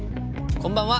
こんばんは。